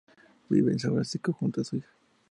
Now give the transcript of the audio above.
Vive en San Francisco, junto a su hija.